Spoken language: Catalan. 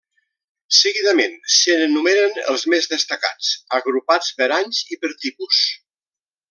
Seguidament se n'enumeren els més destacats, agrupats per anys i per tipus.